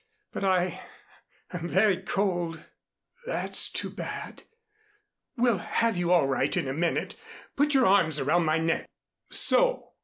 But I I'm very cold." "That's too bad. We'll have you all right in a minute. Put your arms around my neck. So."